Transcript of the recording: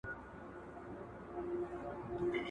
ما هغه سړی نه بېداوه.